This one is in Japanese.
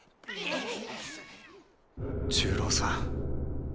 重郎さん。